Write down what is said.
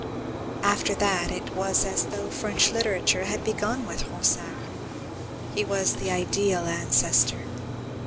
After that, it was as though French literature had begun with Ronsard. He was the "ideal ancestor."